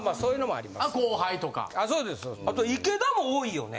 あと池田も多いよね。